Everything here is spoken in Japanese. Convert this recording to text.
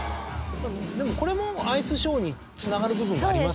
でもこれもアイスショーにつながる部分がありますもんね。